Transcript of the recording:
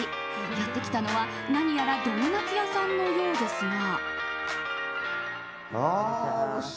やってきたのは何やらドーナツ屋さんのようですが。